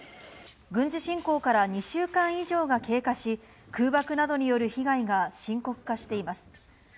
軍事侵攻から２週間以上が経過し、空爆などによる被害が深刻化しています。